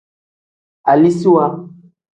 Aliziwa.